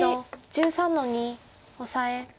白１３の二オサエ。